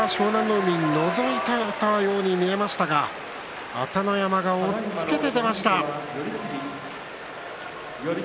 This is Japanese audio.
海のぞいたように見えましたが朝乃山が押っつけて出ました。